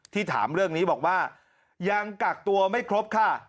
ถามเรื่องนี้บอกว่ายังกักตัวไม่ครบค่ะ